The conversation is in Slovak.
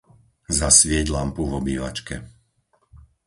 Zasvieť lampu v obývačke.